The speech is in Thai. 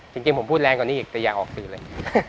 จริงผมพูดแรงกว่านี้อีกแต่อยากออกสื่อเลย